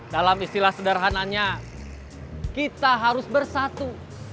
dalam istilah sederhananya kita harus bersatu